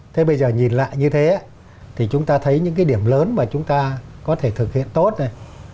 thế bây giờ nhìn lại như thế thì chúng ta thấy những cái điểm lớn mà chúng ta có thể thực hiện tốt này